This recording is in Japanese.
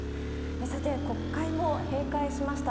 さて、国会も閉会しました。